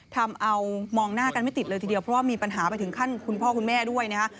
ทำเอามองหน้ากันไม่ติดเลยทีเดียวเพราะว่ามีปัญหาไปถึงขั้นคุณพ่อคุณแม่ด้วยนะฮะ